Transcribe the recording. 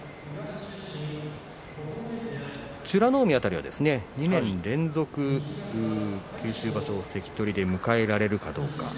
美ノ海辺りは２年連続、九州場所を関取で迎えられるかどうか。